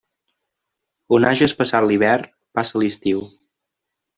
On hages passat l'hivern, passa l'estiu.